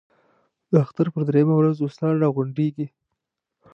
د اختر په درېیمه ورځ دوستان را غونډېږي.